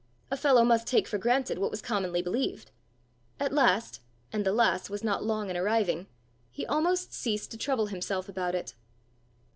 A fellow must take for granted what was commonly believed! At last, and the last was not long in arriving, he almost ceased to trouble himself about it.